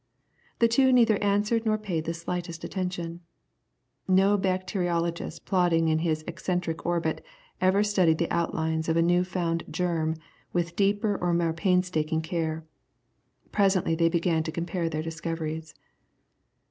The two neither answered nor paid the slightest attention. No bacteriologist plodding in his eccentric orbit ever studied the outlines of a new found germ with deeper or more painstaking care. Presently they began to compare their discoveries.